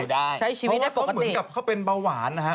ใช้ชีวิตได้ปกติเพราะว่าเขาเหมือนกับเขาเป็นเปล่าหวานนะฮะ